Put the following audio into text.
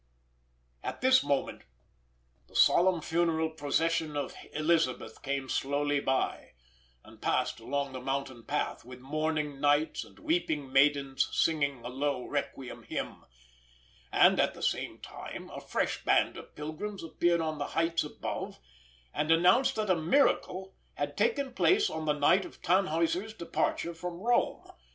At this moment, the solemn funeral procession of Elisabeth came slowly by, and passed along the mountain path, with mourning knights and weeping maidens singing a low requiem hymn; and at the same time, a fresh band of pilgrims appeared on the heights above and announced that a miracle had taken place on the night of Tannhäuser's departure from Rome.